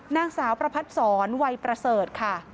นางสาวประพัดศรวัยประเสริฐค่ะ